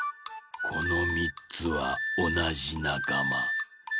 この３つはおなじなかま。